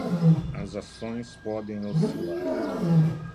As ações podem oscilar